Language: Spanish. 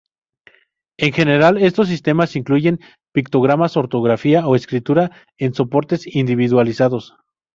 En general, estos sistemas incluyen pictogramas, ortografía o escritura en soportes individualizados.